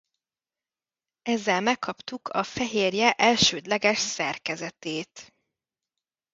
Ezzel megkaptuk a fehérje elsődleges szerkezetét.